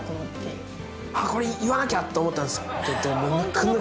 これ言わなきゃと思ったんですけど。